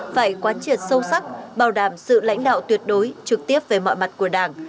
phải quán triệt sâu sắc bảo đảm sự lãnh đạo tuyệt đối trực tiếp về mọi mặt của đảng